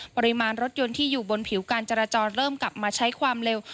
ปริมาณรถยนต์ที่อยู่บนผิวการจราจรเริ่มกลับมาใช้ความเร็ว